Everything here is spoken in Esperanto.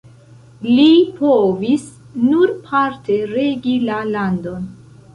Li povis nur parte regi la landon.